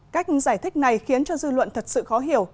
cách giải thích này khiến cho dư luận thật sự khó hiểu